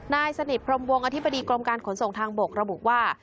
นายสนิทพรมวงอธิบดีกรมการขนส่งทางบกระบุว่า